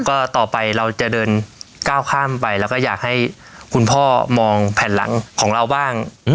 ก็ต่อไปเราจะเดินก้าวข้ามไปแล้วก็อยากให้คุณพ่อมองแผ่นหลังของเราบ้าง